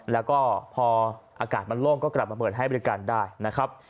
แล้วก็พออากาศมันโล่งก็กลับมาเปิดให้บริการได้นะครับ